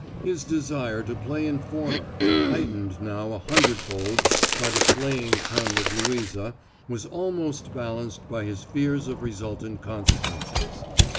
His desire to play informer, heightened now a hundred fold by the flaying tongue of Louisa, was almost balanced by his fears of resultant consequences.